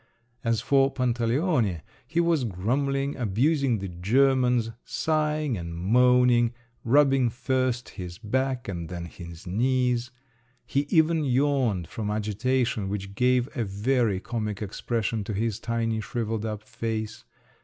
As for Pantaleone, he was grumbling, abusing the Germans, sighing and moaning, rubbing first his back and then his knees. He even yawned from agitation, which gave a very comic expression to his tiny shrivelled up face.